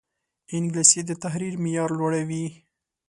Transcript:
انګلیسي د تحریر معیار لوړوي